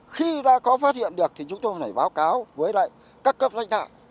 khi đã có phát hiện được thì chúng tôi phải báo cáo với lại các cấp danh tạo